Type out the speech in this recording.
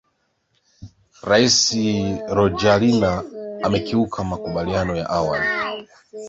rais rajorina amekiuka makumbaliano ya awali